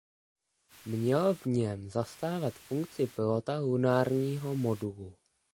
Měl v něm zastávat funkci pilota lunárního modulu.